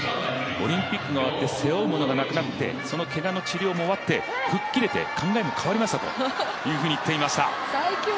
オリンピックがあって背負うものがなくなってそのけがの治療も終わって吹っ切れて考えも変わりましたと言っていました。